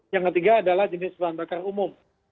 yang ketiga adalah jenis bahan bakar umum